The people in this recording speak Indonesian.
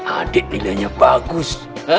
adik nilainya bagus